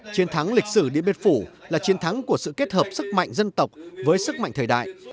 chiến thắng lịch sử điện biên phủ là chiến thắng của sự kết hợp sức mạnh dân tộc với sức mạnh thời đại